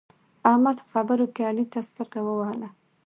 احمد په خبرو کې علي ته سترګه ووهله.